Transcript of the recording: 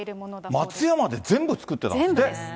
カールは松山で全部作ってたんですって。